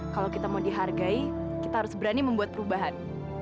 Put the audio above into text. kalau kita mau dihargai kita harus berani membuat perubahan